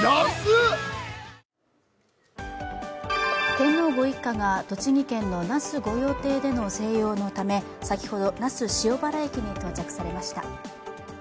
天皇ご一家が栃木県の那須御用邸での静養のため先ほど、那須塩原駅に到着されました。